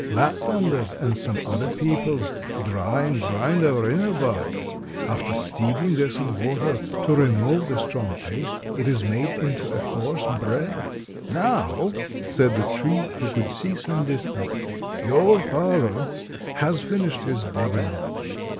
Laplanders and some other peoples dry and grind our inner bark. After steeping this in water to remove the strong taste it is made into a coarse bread. "Now," said the tree, who could see some distance, "your father has finished his digging.